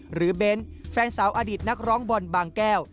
เบ้นแฟนสาวอดีตนักร้องบอลบางแก้ว